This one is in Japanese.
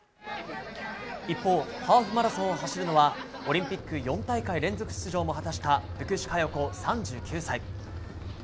一方ハーフマラソンを走るのはオリンピック４大会連続出場も果たした福士加代子、３９歳。